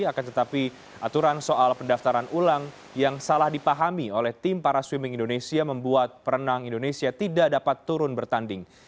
akan tetapi aturan soal pendaftaran ulang yang salah dipahami oleh tim para swimming indonesia membuat perenang indonesia tidak dapat turun bertanding